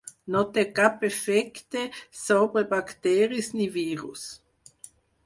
No té cap efecte sobre bacteris ni virus.